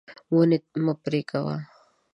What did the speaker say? ونې مه پرې کوه.